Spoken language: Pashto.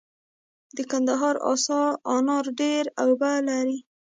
د کندهار انار ډیرې اوبه لري.